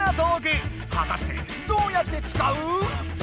はたしてどうやって使う？